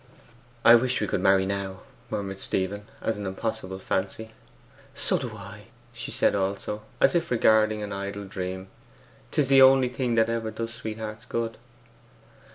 'I wish we could marry now,' murmured Stephen, as an impossible fancy. 'So do I,' said she also, as if regarding an idle dream. ''Tis the only thing that ever does sweethearts good!